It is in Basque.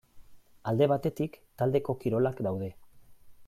Alde batetik taldeko kirolak daude.